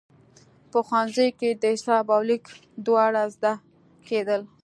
په ښوونځیو کې د حساب او لیک دواړه زده کېدل.